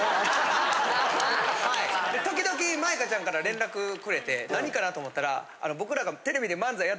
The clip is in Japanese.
時々舞香ちゃんから連絡くれて何かな？と思ったら。